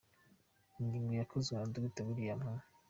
Inyigo yakozwe na Dr William H.